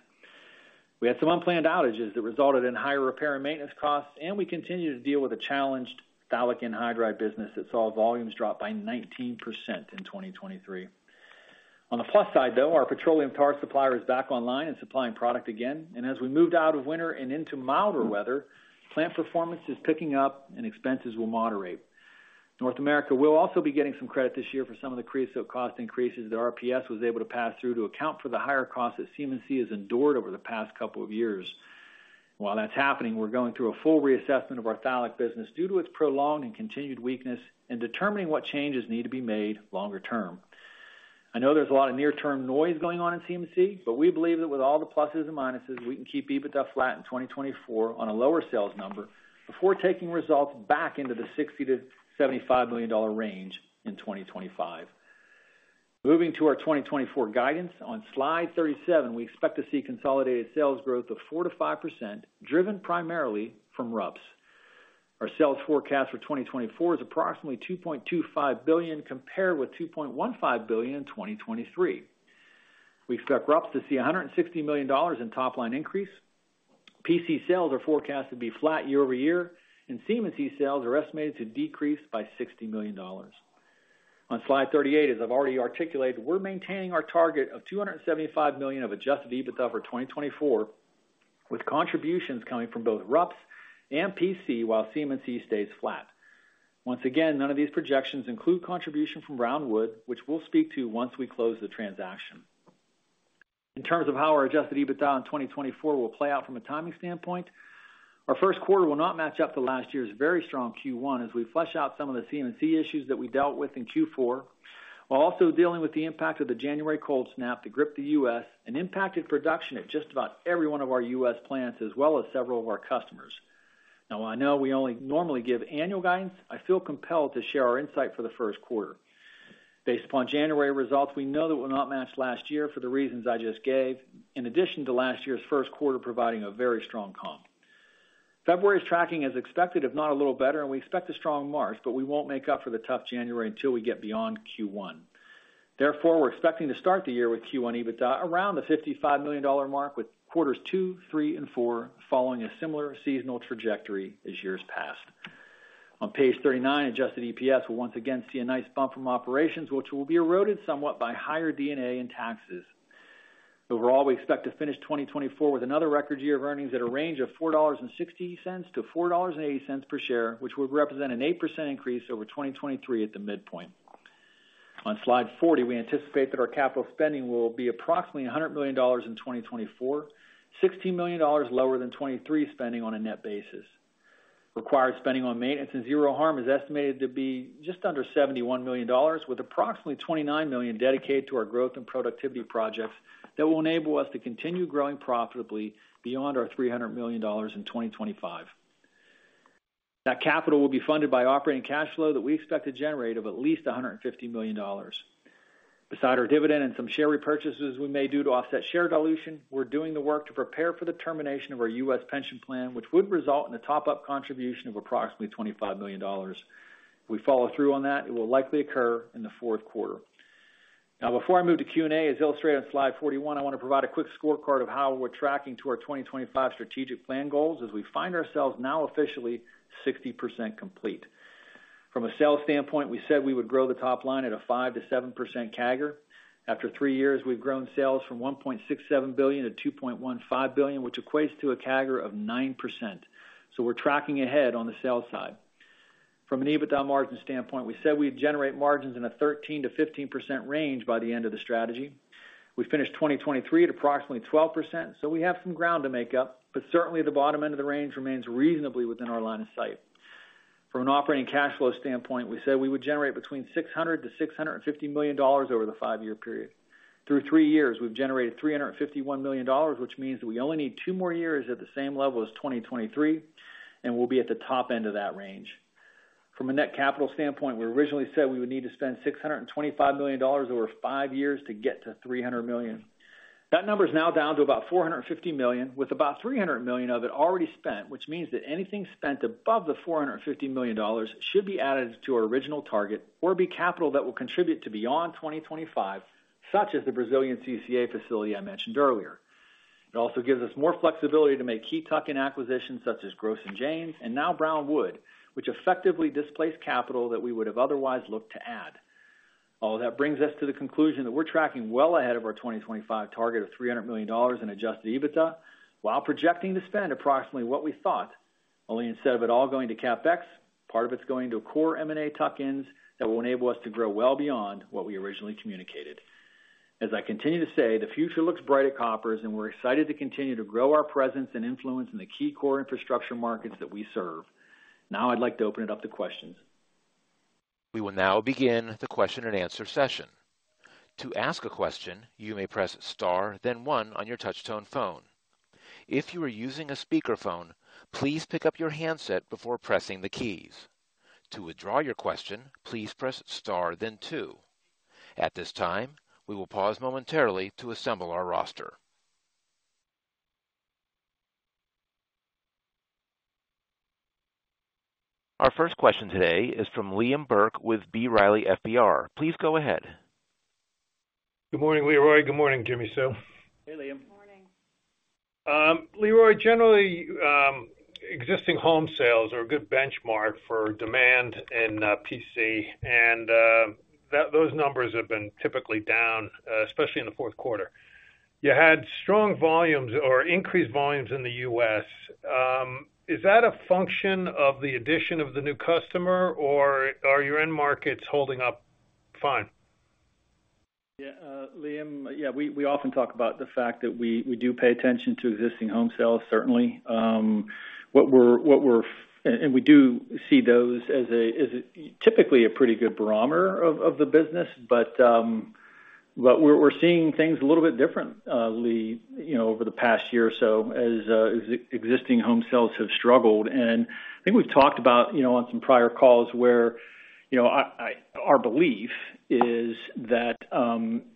We had some unplanned outages that resulted in higher repair and maintenance costs, and we continued to deal with a challenged phthalic anhydride business that saw volumes drop by 19% in 2023. On the plus side, though, our petroleum tar supplier is back online and supplying product again, and as we moved out of winter and into milder weather, plant performance is picking up and expenses will moderate. North America will also be getting some credit this year for some of the creosote cost increases that RPS was able to pass through to account for the higher costs that CM&C has endured over the past couple of years. While that's happening, we're going through a full reassessment of our phthalic business due to its prolonged and continued weakness in determining what changes need to be made longer term. I know there's a lot of near-term noise going on in CM&C, but we believe that with all the pluses and minuses, we can keep EBITDA flat in 2024 on a lower sales number before taking results back into the $60-$75 million range in 2025. Moving to our 2024 guidance on Slide 37, we expect to see consolidated sales growth of 4%-5%, driven primarily from RUPS. Our sales forecast for 2024 is approximately $2.25 billion, compared with $2.15 billion in 2023. We expect RUPS to see a $160 million top line increase. PC sales are forecast to be flat year-over-year, and CM&C sales are estimated to decrease by $60 million. On Slide 38, as I've already articulated, we're maintaining our target of $275 million of adjusted EBITDA for 2024, with contributions coming from both RUPS and PC, while CM&C stays flat. Once again, none of these projections include contribution from Brown Wood, which we'll speak to once we close the transaction. In terms of how our adjusted EBITDA in 2024 will play out from a timing standpoint, our first quarter will not match up to last year's very strong Q1 as we flush out some of the CM&C issues that we dealt with in Q4, while also dealing with the impact of the January cold snap that gripped the U.S. and impacted production at just about every one of our U.S. plants, as well as several of our customers. Now, I know we only normally give annual guidance. I feel compelled to share our insight for the first quarter. Based upon January results, we know that we'll not match last year for the reasons I just gave, in addition to last year's first quarter providing a very strong comp. February's tracking is expected, if not a little better, and we expect a strong March, but we won't make up for the tough January until we get beyond Q1. Therefore, we're expecting to start the year with Q1 EBITDA around the $55 million mark, with quarters 2, 3, and 4 following a similar seasonal trajectory as years past. On page 39, adjusted EPS will once again see a nice bump from operations, which will be eroded somewhat by higher D&A and taxes. Overall, we expect to finish 2024 with another record year of earnings at a range of $4.60-$4.80 per share, which would represent an 8% increase over 2023 at the midpoint. On Slide 40, we anticipate that our capital spending will be approximately $100 million in 2024, $16 million lower than 2023 spending on a net basis. Required spending on maintenance and Zero Harm is estimated to be just under $71 million, with approximately $29 million dedicated to our growth and productivity projects that will enable us to continue growing profitably beyond our $300 million in 2025. That capital will be funded by operating cash flow that we expect to generate of at least $150 million. Besides our dividend and some share repurchases we may do to offset share dilution, we're doing the work to prepare for the termination of our U.S. pension plan, which would result in a top-up contribution of approximately $25 million. If we follow through on that, it will likely occur in the fourth quarter. Now, before I move to Q&A, as illustrated on slide 41, I want to provide a quick scorecard of how we're tracking to our 2025 strategic plan goals as we find ourselves now officially 60% complete. From a sales standpoint, we said we would grow the top line at a 5%-7% CAGR. After three years, we've grown sales from $1.67 billion to $2.15 billion, which equates to a CAGR of 9%. So we're tracking ahead on the sales side. From an EBITDA margin standpoint, we said we'd generate margins in a 13%-15% range by the end of the strategy. We finished 2023 at approximately 12%, so we have some ground to make up, but certainly the bottom end of the range remains reasonably within our line of sight. From an operating cash flow standpoint, we said we would generate between $600 million-$650 million over the five-year period. Through three years, we've generated $351 million, which means that we only need two more years at the same level as 2023, and we'll be at the top end of that range. From a net capital standpoint, we originally said we would need to spend $625 million over five years to get to $300 million. That number is now down to about $450 million, with about $300 million of it already spent, which means that anything spent above the $450 million should be added to our original target or be capital that will contribute to beyond 2025, such as the Brazilian CCA facility I mentioned earlier. It also gives us more flexibility to make key tuck-in acquisitions such as Gross & Janes and now Brown Wood, which effectively displaced capital that we would have otherwise looked to add. All that brings us to the conclusion that we're tracking well ahead of our 2025 target of $300 million in adjusted EBITDA, while projecting to spend approximately what we thought, only instead of it all going to CapEx, part of it's going to a core M&A tuck-ins that will enable us to grow well beyond what we originally communicated. As I continue to say, the future looks bright at Koppers, and we're excited to continue to grow our presence and influence in the key core infrastructure markets that we serve. Now I'd like to open it up to questions. We will now begin the question-and-answer session. To ask a question, you may press star, then one on your touchtone phone. If you are using a speakerphone, please pick up your handset before pressing the keys. To withdraw your question, please press Star then two. At this time, we will pause momentarily to assemble our roster. Our first question today is from Liam Burke with B. Riley FBR. Please go ahead. Good morning, Leroy. Good morning, Jimmi Sue. Hey, Liam. Good morning. Leroy, generally, existing home sales are a good benchmark for demand in PC, and those numbers have been typically down, especially in the fourth quarter. You had strong volumes or increased volumes in the US. Is that a function of the addition of the new customer, or are your end markets holding up fine? Yeah, Liam, yeah, we often talk about the fact that we do pay attention to existing home sales, certainly. What we're—and we do see those as a typically pretty good barometer of the business. But, but we're seeing things a little bit different, Liam, you know, over the past year or so, as existing home sales have struggled. And I think we've talked about, you know, on some prior calls where, you know, our belief is that,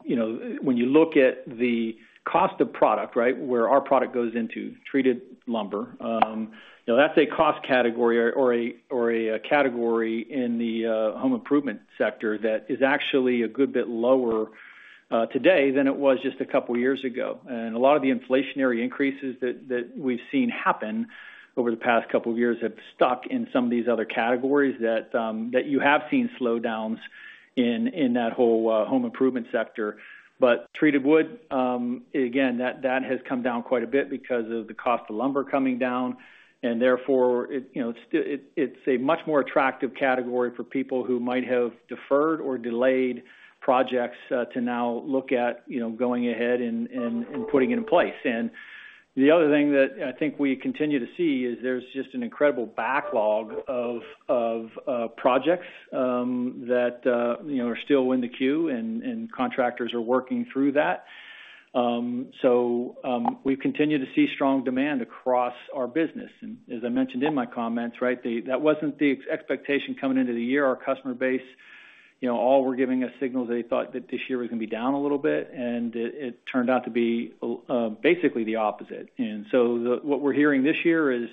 you know, when you look at the cost of product, right? Where our product goes into treated lumber, you know, that's a cost category or a category in the home improvement sector that is actually a good bit lower today than it was just a couple of years ago. And a lot of the inflationary increases that we've seen happen over the past couple of years have stuck in some of these other categories that you have seen slowdowns in in that whole home improvement sector. But treated wood, again, that has come down quite a bit because of the cost of lumber coming down, and therefore, it you know it's a much more attractive category for people who might have deferred or delayed projects to now look at, you know, going ahead and putting it in place. The other thing that I think we continue to see is there's just an incredible backlog of projects that you know are still in the queue, and contractors are working through that. So, we continue to see strong demand across our business. And as I mentioned in my comments, right, that wasn't the expectation coming into the year. Our customer base, you know, all were giving us signals that they thought that this year was gonna be down a little bit, and it turned out to be basically the opposite. What we're hearing this year is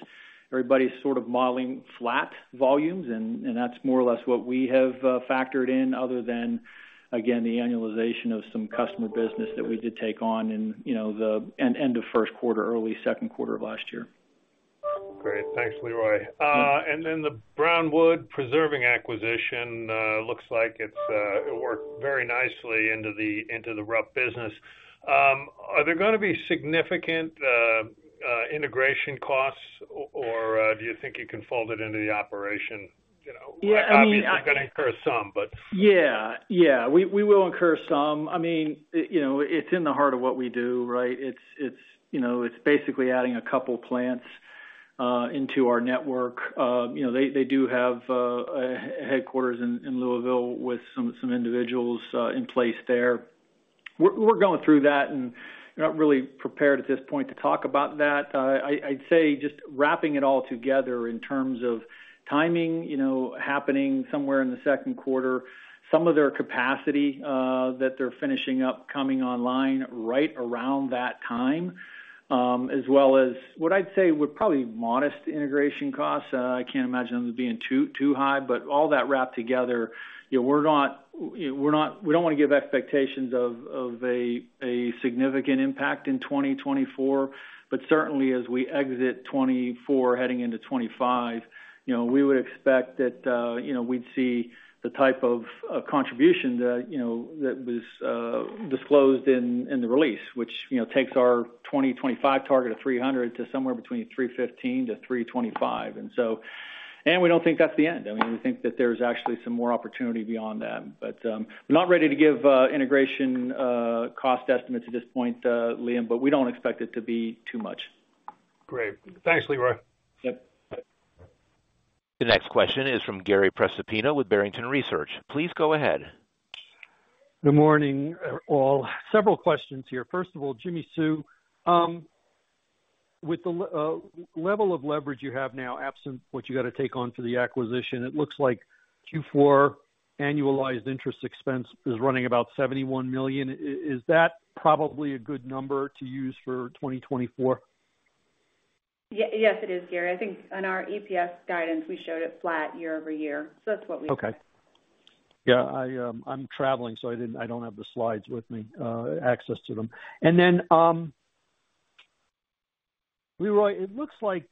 everybody's sort of modeling flat volumes, and that's more or less what we have factored in other than, again, the annualization of some customer business that we did take on in, you know, the end of first quarter, early second quarter of last year. Great. Thanks, Leroy. And then the Brown Wood Preserving acquisition looks like it's it worked very nicely into the RUPS business. Are there gonna be significant integration costs or do you think you can fold it into the operation? You know- Yeah, I mean- Obviously, you're gonna incur some, but. Yeah, yeah, we will incur some. I mean, you know, it's in the heart of what we do, right? It's, it's, you know, it's basically adding a couple plants into our network. You know, they do have a headquarters in Louisville with some individuals in place there. We're going through that and not really prepared at this point to talk about that. I'd say, just wrapping it all together in terms of timing, you know, happening somewhere in the second quarter, some of their capacity that they're finishing up coming online right around that time... as well as what I'd say, would probably modest integration costs. I can't imagine them being too, too high, but all that wrapped together, you know, we're not, we're not – we don't wanna give expectations of, of a, a significant impact in 2024. But certainly, as we exit 2024, heading into 2025, you know, we would expect that, you know, we'd see the type of, of contribution that, you know, that was disclosed in, in the release, which, you know, takes our 2025 target of 300 to somewhere between 315-325. And so – and we don't think that's the end. I mean, we think that there's actually some more opportunity beyond that. But, we're not ready to give, integration, cost estimates at this point, Liam, but we don't expect it to be too much. Great! Thanks, Leroy. Yep. The next question is from Gary Prestopino with Barrington Research. Please go ahead. Good morning, all. Several questions here. First of all, Jimmi Sue, with the level of leverage you have now, absent what you got to take on for the acquisition, it looks like Q4 annualized interest expense is running about $71 million. Is that probably a good number to use for 2024? Yes, it is, Gary. I think on our EPS guidance, we showed it flat year-over-year, so that's what we- Okay. Yeah, I, I'm traveling, so I didn't—I don't have the slides with me, access to them. And then, Leroy, it looks like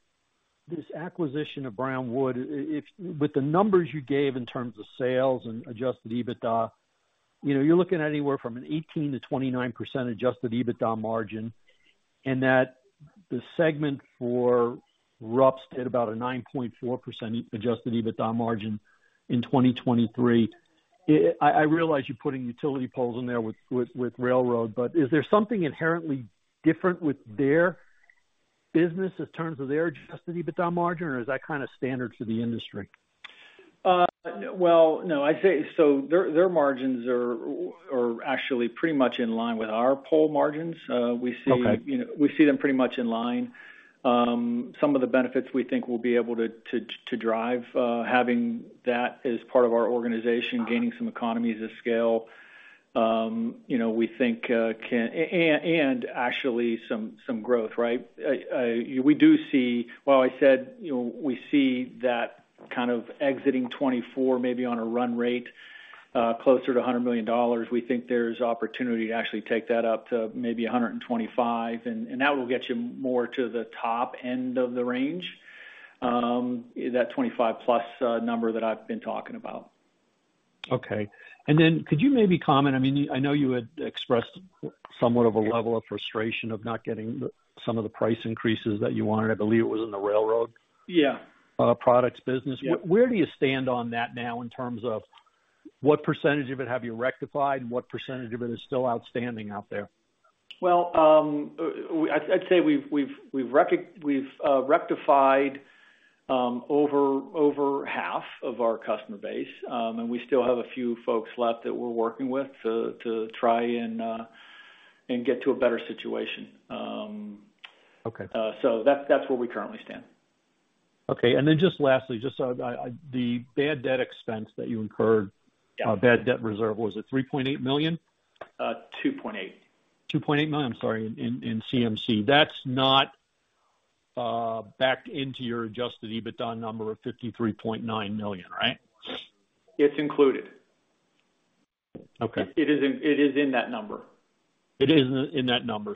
this acquisition of Brown Wood, if—with the numbers you gave in terms of sales and Adjusted EBITDA, you know, you're looking at anywhere from an 18%-29% Adjusted EBITDA margin, and that the segment for RUPS did about a 9.4% Adjusted EBITDA margin in 2023. It—I, I realize you're putting utility poles in there with, with, with railroad, but is there something inherently different with their business in terms of their Adjusted EBITDA margin, or is that kind of standard for the industry? Well, no, I'd say so. Their margins are actually pretty much in line with our pole margins. We see- Okay. You know, we see them pretty much in line. Some of the benefits we think we'll be able to drive, having that as part of our organization, gaining some economies of scale, you know, we think can... And actually some growth, right? We do see, while I said, you know, we see that kind of exiting 2024, maybe on a run rate closer to $100 million, we think there's opportunity to actually take that up to maybe $125 million, and that will get you more to the top end of the range, that 25+ number that I've been talking about. Okay. And then could you maybe comment? I mean, I know you had expressed somewhat of a level of frustration of not getting the, some of the price increases that you wanted. I believe it was in the railroad- Yeah... products business. Yeah. Where do you stand on that now, in terms of what percentage of it have you rectified and what percentage of it is still outstanding out there? Well, I'd say we've rectified over half of our customer base, and we still have a few folks left that we're working with to try and get to a better situation. Okay. So that's, that's where we currently stand. Okay. And then just lastly, just so I... The bad debt expense that you incurred- Yeah. Bad debt reserve, was it $3.8 million? 2.8. $2.8 million, I'm sorry, in CM&C. That's not backed into your adjusted EBITDA number of $53.9 million, right? It's included. Okay. It is in, it is in that number. It is in that number,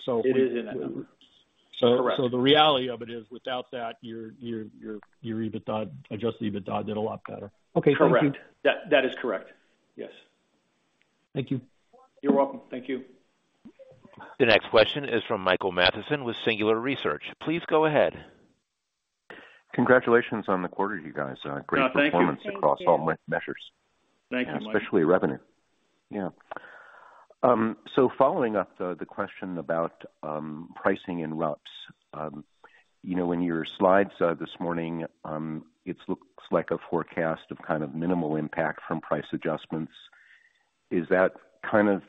so- It is in that number. Correct. So the reality of it is, without that, your Adjusted EBITDA did a lot better. Okay, thank you. Correct. That is correct. Yes. Thank you. You're welcome. Thank you. The next question is from Michael Matheson with Singular Research. Please go ahead. Congratulations on the quarter, you guys. Oh, thank you. Great performance across all measures. Thank you, Mike. Especially revenue. Yeah. So following up on the question about pricing in RUPS. You know, in your slides this morning, it looks like a forecast of kind of minimal impact from price adjustments. Is that kind of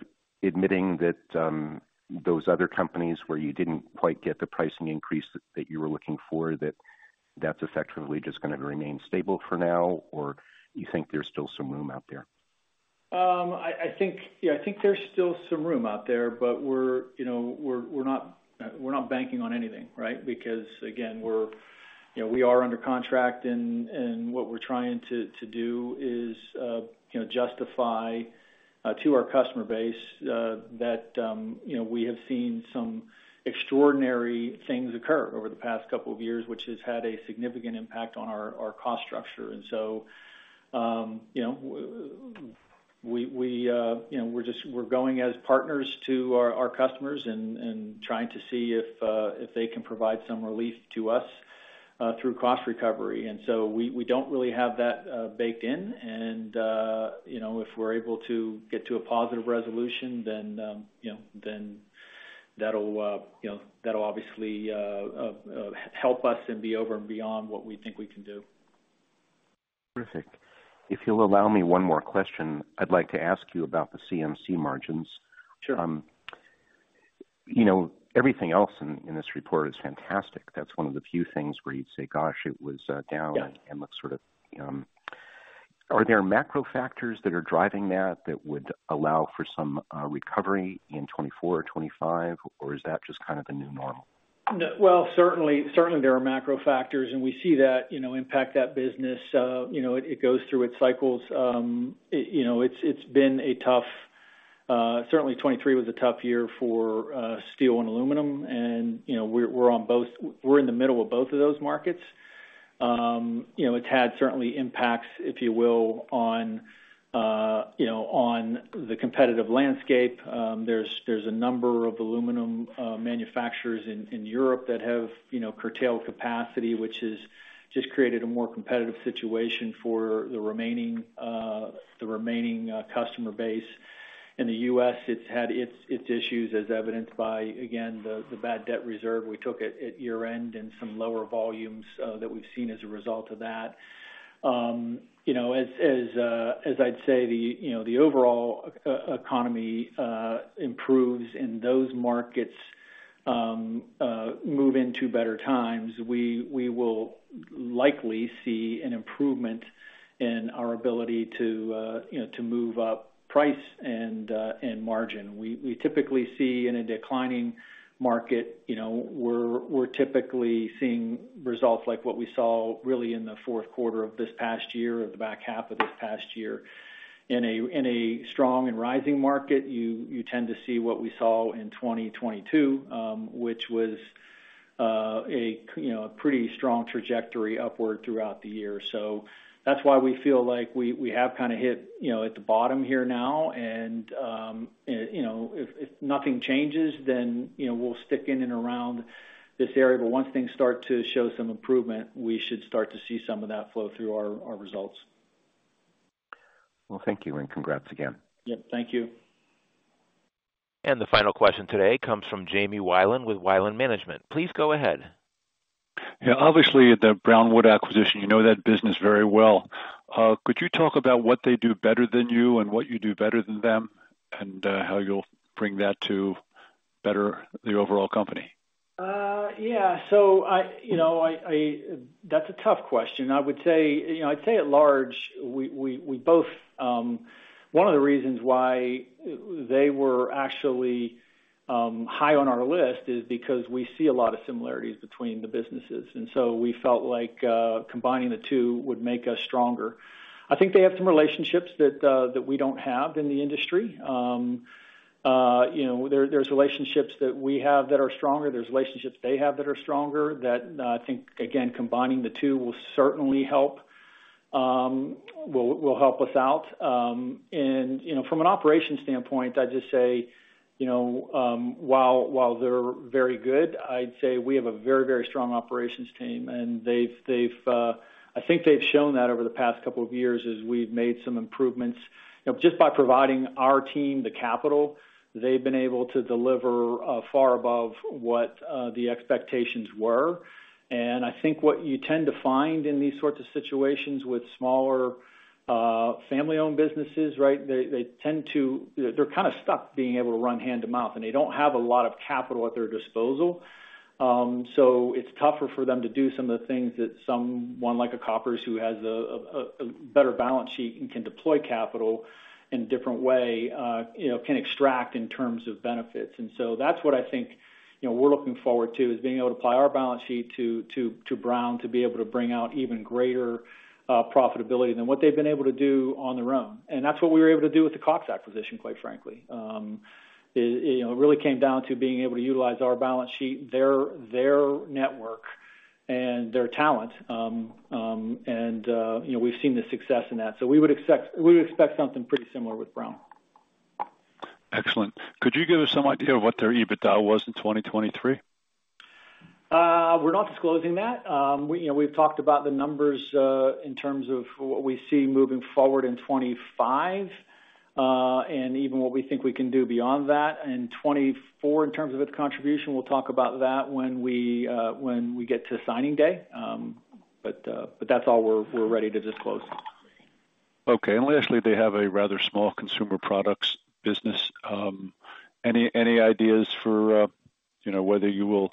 admitting that those other companies where you didn't quite get the pricing increase that you were looking for, that that's effectively just gonna remain stable for now, or you think there's still some room out there? I think, yeah, I think there's still some room out there, but we're, you know, we're not banking on anything, right? Because, again, we're, you know, we are under contract and what we're trying to do is, you know, justify to our customer base that, you know, we have seen some extraordinary things occur over the past couple of years, which has had a significant impact on our cost structure. And so, you know, we're just going as partners to our customers and trying to see if they can provide some relief to us through cost recovery. And so we don't really have that baked in and, you know, if we're able to get to a positive resolution, then, you know, then that'll obviously help us and be over and beyond what we think we can do. Terrific. If you'll allow me one more question, I'd like to ask you about the CM&C margins. Sure. You know, everything else in this report is fantastic. That's one of the few things where you'd say, "Gosh, it was down- Yeah ...and looks sort of... Are there macro factors that are driving that, that would allow for some recovery in 2024 or 2025? Or is that just kind of the new normal? No. Well, certainly, certainly there are macro factors, and we see that, you know, impact that business. You know, it goes through its cycles. It, you know, it's been a tough—certainly 2023 was a tough year for steel and aluminum, and, you know, we're on both. We're in the middle of both of those markets. You know, it's had certainly impacts, if you will, on, you know, on the competitive landscape. There's a number of aluminum manufacturers in Europe that have, you know, curtailed capacity, which has just created a more competitive situation for the remaining customer base. In the US, it's had its issues as evidenced by, again, the bad debt reserve we took at year-end and some lower volumes that we've seen as a result of that. You know, as I'd say, you know, the overall economy improves and those markets move into better times, we will likely see an improvement in our ability to, you know, to move up price and margin. We typically see in a declining market, you know, we're typically seeing results like what we saw really in the fourth quarter of this past year or the back half of this past year. In a strong and rising market, you tend to see what we saw in 2022, which was, you know, a pretty strong trajectory upward throughout the year. So that's why we feel like we have kinda hit, you know, at the bottom here now, and, and, you know, if nothing changes, then, you know, we'll stick in and around this area. But once things start to show some improvement, we should start to see some of that flow through our results. Well, thank you, and congrats again. Yep, thank you. The final question today comes from Jamie Weiland with Weiland Management. Please go ahead. Yeah, obviously, the Brown Wood acquisition, you know that business very well. Could you talk about what they do better than you and what you do better than them, and how you'll bring that to better the overall company? Yeah. So, you know, I-- That's a tough question. I would say, you know, I'd say at large, we both... One of the reasons why they were actually high on our list is because we see a lot of similarities between the businesses, and so we felt like combining the two would make us stronger. I think they have some relationships that we don't have in the industry. You know, there's relationships that we have that are stronger. There's relationships they have that are stronger, that I think, again, combining the two will certainly help, will help us out. You know, from an operation standpoint, I'd just say, you know, while they're very good, I'd say we have a very, very strong operations team, and they've, I think they've shown that over the past couple of years as we've made some improvements. You know, just by providing our team the capital, they've been able to deliver far above what the expectations were. And I think what you tend to find in these sorts of situations with smaller family-owned businesses, right? They tend to... They're kind of stuck being able to run hand-to-mouth, and they don't have a lot of capital at their disposal. So it's tougher for them to do some of the things that someone like a Koppers, who has a better balance sheet and can deploy capital in a different way, you know, can extract in terms of benefits. And so that's what I think, you know, we're looking forward to, is being able to apply our balance sheet to Brown, to be able to bring out even greater profitability than what they've been able to do on their own. And that's what we were able to do with the Cox acquisition, quite frankly. You know, it really came down to being able to utilize our balance sheet, their network, and their talent. And, you know, we've seen the success in that, so we would expect something pretty similar with Brown. Excellent. Could you give us some idea of what their EBITDA was in 2023? We're not disclosing that. We, you know, we've talked about the numbers, in terms of what we see moving forward in 25, and even what we think we can do beyond that. In 24, in terms of its contribution, we'll talk about that when we, when we get to signing day. But, but that's all we're, we're ready to disclose. Okay. Lastly, they have a rather small consumer products business. Any ideas for, you know, whether you will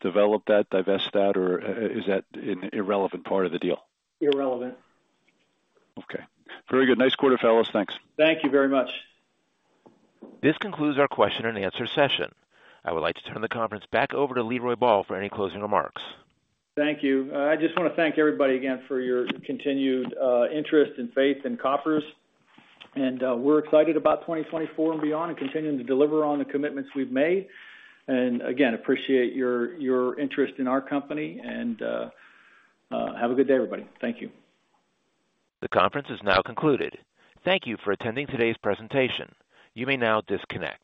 develop that, divest that, or is that an irrelevant part of the deal? Irrelevant. Okay. Very good. Nice quarter, fellows. Thanks. Thank you very much. This concludes our question and answer session. I would like to turn the conference back over to Leroy Ball for any closing remarks. Thank you. I just wanna thank everybody again for your continued interest and faith in Koppers. And we're excited about 2024 and beyond, and continuing to deliver on the commitments we've made. And again, appreciate your interest in our company, and have a good day, everybody. Thank you. The conference is now concluded. Thank you for attending today's presentation. You may now disconnect.